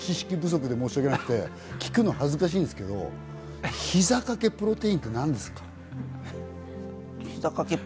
本当に知識不足で申し訳なくて、聞くのが恥ずかしいんですけど、ひざ掛けプロテインって何ですか？